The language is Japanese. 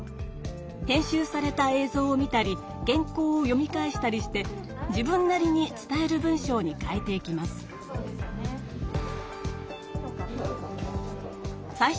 編集された映像を見たり原こうを読み返したりして自分なりに伝える文章に変えていきます。